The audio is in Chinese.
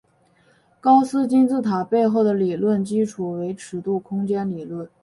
高斯金字塔背后的理论基础为尺度空间理论。